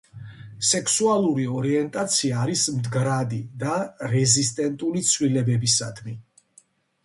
სექსუალური ორიენტაცია არის მდგრადი და რეზისტენტული ცვლილებებისადმი.